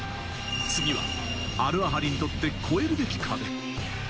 次はアルアハリにとって超えるべき壁。